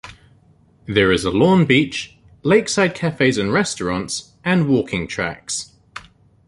There is a lawn beach, lake-side cafes and restaurants, and walking tracks.